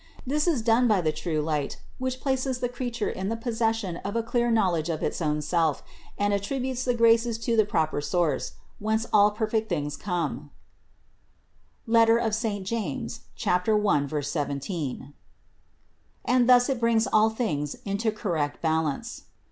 This is done by the true light, which places the creature in the possession of a clear knowledge of its own self and attributes the graces to the proper source, whence all perfect things come (James 1, 17) ; and thus it brings all things into correct bal ance.